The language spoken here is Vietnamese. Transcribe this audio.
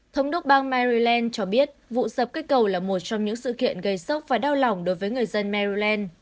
thống đốc bang miland cho biết vụ sập cây cầu là một trong những sự kiện gây sốc và đau lòng đối với người dân meruland